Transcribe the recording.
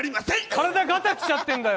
体ガタきちゃってんだよ